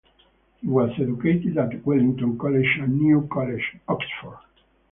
He was educated at Wellington College and New College, Oxford.